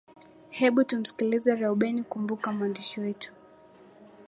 hebu tumsikilize rebuen kumbuka mwandishi wetu